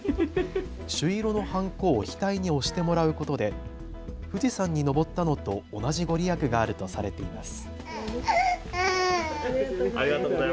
朱色のはんこを額に押してもらうことで富士山に登ったのと同じ御利益があるとされています。